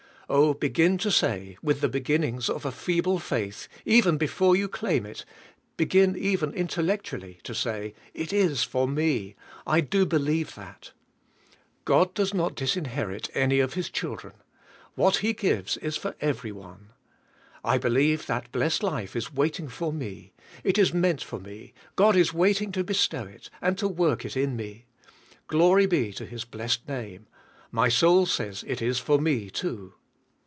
Oh, begin to say, with the begin nings of a feeble faith, even before you claim it, begin even intellectually to say :" It is for me ; I do believe that. God does not disinherit any of His children. What He gives is for every one. I be lieve that blessed life is waiting for me It is meant for me. God is waiting to bestow it, and to work it in me. Glor}^ be to His blessed name! My soul says it is for me, too."